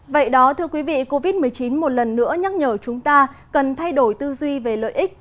vậy đó thưa quý vị covid một mươi chín một lần nữa nhắc nhở chúng ta cần thay đổi tư duy về lợi ích